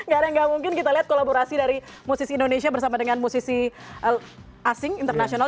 gak ada yang nggak mungkin kita lihat kolaborasi dari musisi indonesia bersama dengan musisi asing internasional